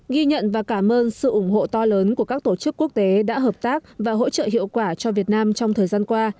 ghi nhận và cảm ơn sự ủng hộ to lớn của các tổ chức quốc tế đã hợp tác và hỗ trợ hiệu quả cho việt nam trong thời gian qua